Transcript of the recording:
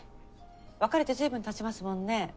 別れて随分経ちますもんね。